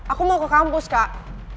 aku mau ke kampus kak